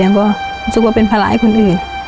มันคงจะจริงปะเป็นภาระให้คนอื่น